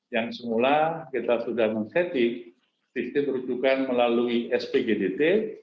yang semula kita sudah mengseti sistem perujukan melalui spgdt